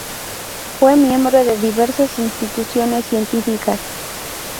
Fue miembro de diversas instituciones científicas.